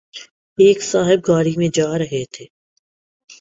ایک صاحب گاڑی میں جارہے تھے